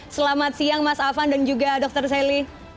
selamat siang mas afan dan juga dr sally